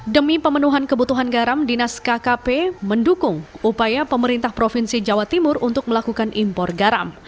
demi pemenuhan kebutuhan garam dinas kkp mendukung upaya pemerintah provinsi jawa timur untuk melakukan impor garam